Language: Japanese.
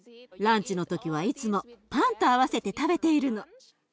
ランチの時はいつもパンと合わせて食べているの。